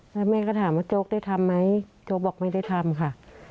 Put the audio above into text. แล้วแม่ก็ถามว่าโจ๊กได้ทำไหมโจ๊กบอกไม่ได้ทำค่ะ